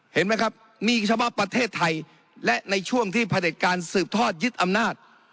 เห็นไหมครับมีเฉพาะประเทศไทยและในช่วงที่ผลิตการสืบทอดยึดอำนาจ